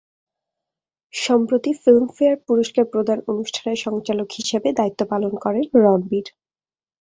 সম্প্রতি ফিল্মফেয়ার পুরস্কার প্রদান অনুষ্ঠানের সঞ্চালক হিসেবে দায়িত্ব পালন করেন রণবীর।